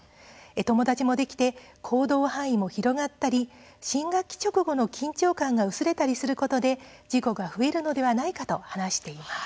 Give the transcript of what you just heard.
友達もできて行動範囲も広がったり新学期直後の緊張感が薄れたりすることで事故が増えるのではないかと話しています。